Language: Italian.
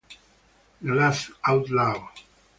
The Last Outlaw